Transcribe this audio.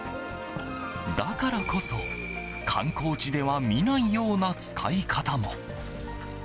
だからこそ、観光地では見ないような使い方も。